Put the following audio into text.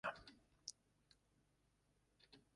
Combatió en Austria, Italia, Alemania y en España.